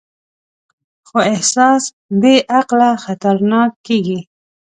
خو احساس بېعقله خطرناک کېږي.